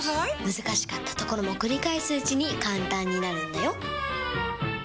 難しかったところも繰り返すうちに簡単になるんだよ！